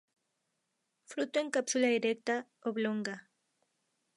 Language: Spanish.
Fruto en cápsula erecta, oblonga.